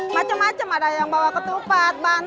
macem macem ada yang bawa ketupat bantal pisang